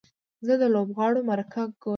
زه د لوبغاړو مرکه ګورم.